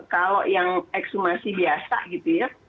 kalau yang ekshumasi biasa gitu ya